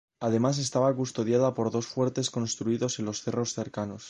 Además estaba custodiada por dos fuertes construidos en los cerros cercanos.